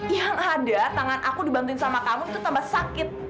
yang ada tangan aku dibantuin sama kamu itu tambah sakit